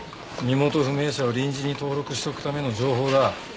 身元不明者を臨時に登録しておくための情報だ。